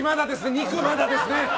肉まだですね。